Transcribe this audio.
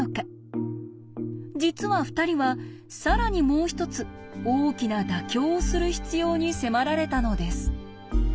実は２人は更にもう一つ大きな妥協をする必要に迫られたのです。